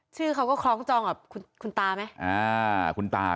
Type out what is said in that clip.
ชื่อเขาก็คล้องจองกับคุณตาไหม